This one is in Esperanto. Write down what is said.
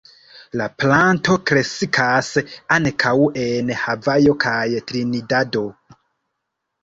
La planto kreskas ankaŭ en Havajo kaj Trinidado.